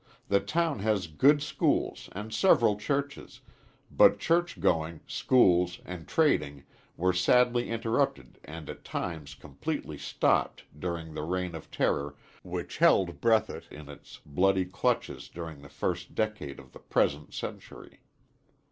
The town has good schools and several churches, but church going, schools and trading were sadly interrupted and at times completely stopped during the reign of terror which held Breathitt in its bloody clutches during the first decade of the present century.